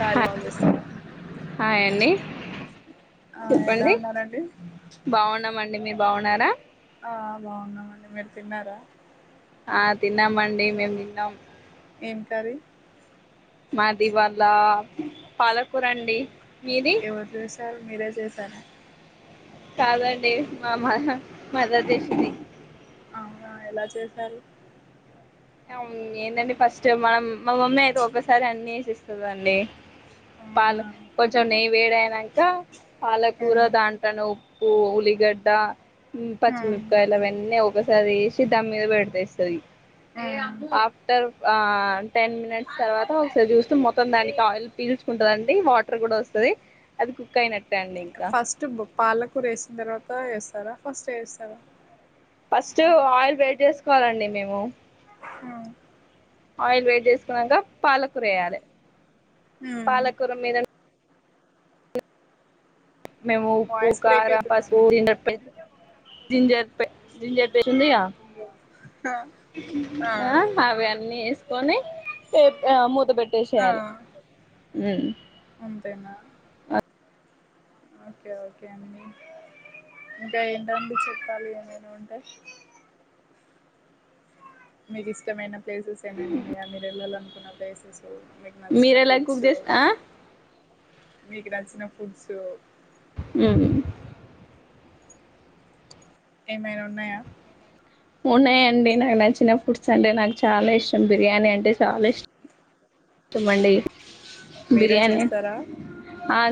కార్య కాల్ చేస్తున్నా హయండి ఆ ఎలా చెప్పండి ఉన్నారండి బాగున్నామండి మీరు బాగున్నారా ఆ బాగున్నామండి మీరు తిన్నారా ఆ తిన్నామండి మేము తిన్నాం ఏం కర్రీ మాది ఇవ్వాళ పాలకూరండి ఎవరు చేసారు మీరె చేస రా కాదండి మా మదర్ చేసింది అవునా ఎలా చేసారు ఏంటండి ఫస్ట్ మనం మా మమ్మీ అయితే ఒకసారి అన్ని ఏసెస్తా స్తదండి పాల అవునా కొంచెం నెయ్య వేడ అయినాక ఉమ్, పాలకూర దాంట్లనా ఉ ప్పు ఉలిగడ్డా ఉమ్, ఉమ్. పచ్చిమిరపకాయలవన్నీ ఒసారి వేసి దానీ మీద పెట్టేస్తాది ఆఫ్టర్ ఆ టెన్ మినిట్స్ తర్వాత ఒకసారి చూస్తూ మొత్తం దానికి ఆయిల్ పీల్చుకుంటుదండి వాటర్ కూడా వస్తది అది కుక్ అయిన ఫస్ట్ పాలకూర వేసిన తర్వాత ఎసు స్తారా ఫస్టే ఏస్తారా ఫస్ట్ ఆయిల్ వేడి చేసుకోవాలండి మేము. హ ఆయిల్ వేడి చేసుకునంక పాలకుర ఎయ్యాలే ఉమ్. పాలకుర మీద మేము ఉప్పు, వాయిస్ బ్రేక్ కార, పసుపు, అవుతుందండి ginger paste ginger ginger paste ఉందిగా, ఆ ఆ అవన్నీ ఏసు కొని ఎ ఆ మూ త ఆ. పెట్టేషెయాలే హ్మ్ అంతేనా ఓకే ఓకే అండి ఇంకా ఏంటడి చెప్పాలి ఏమైనా ఉంటే. మీకు ఇష్టమైన ప్లేసెస్ ఏమైనా ఉన్నాయా మీరు వెళ్లాలనుకున్న ప్లేసెస్? మీకు నచ్చిన మీరెలా కుక్ ఫుడ్స్ చేస్త మీకు నచ్చిన ఫుడ్స్ మ్మ్ఁ ఏమైనా ఉన్నాయా? ఉన్నాయండి నాకు నచ్చిన ఫుడ్స్ అంటే నాకు చాలా ఇష్టం బిర్యానీ అంటే చాలా ఇష్టమండి. మీరే బిర్యానీ చేస్తారా ఆ